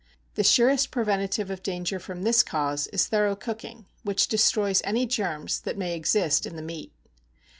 The surest preventive of danger from this cause is thorough cooking, which destroys any germs that may exist in the meat.